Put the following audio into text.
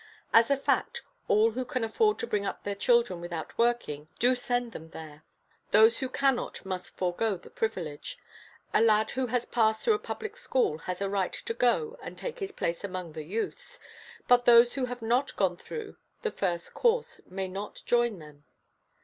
As a fact, all who can afford to bring up their children without working do send them there: those who cannot must forego the privilege. A lad who has passed through a public school has a right to go and take his place among the youths, but those who have not gone through the first course may not join them.